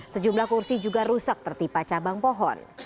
sejumlah kursi juga rusak tertipa cabang pohon